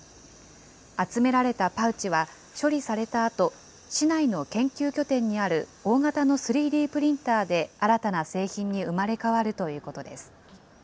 集められたパウチは、処理されたあと、市内の研究拠点にある大型の３Ｄプリンターで、新たな製品に生まれ変わるということです。